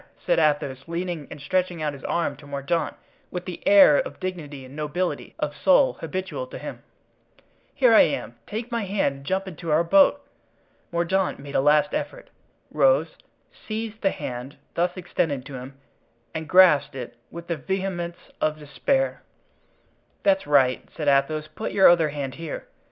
said Athos, leaning and stretching out his arm to Mordaunt with that air of dignity and nobility of soul habitual to him; "here I am, take my hand and jump into our boat." Mordaunt made a last effort—rose—seized the hand thus extended to him and grasped it with the vehemence of despair. "That's right," said Athos; "put your other hand here."